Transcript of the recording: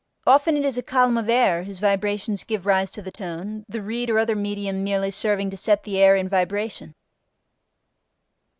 Often it is a column of air whose vibrations give rise to the tone, the reed or other medium merely serving to set the air in vibration.